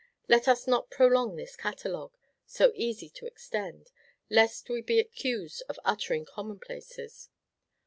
Let us not prolong this catalogue so easy to extend lest we be accused of uttering commonplaces.